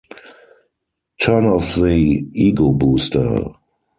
Turn off the ego booster.